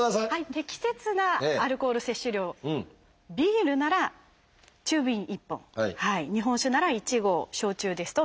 適切なアルコール摂取量ビールなら中瓶１本日本酒なら１合焼酎ですと１１０ｍＬ。